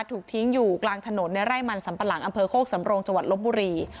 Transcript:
ถูกทิ้งอยู่กลางถนนในไร่มันสัมปะหลังอำเภอโคกสำโรงจังหวัดลบบุรี